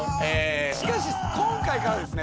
しかし今回からですね